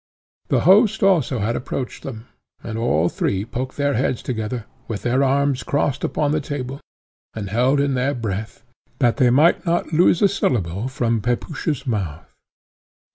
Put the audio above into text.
The host also had approached them, and all three poked their heads together, with their arms crossed upon the table, and held in their breath, that they might not lose a syllable from Peregrine's mouth.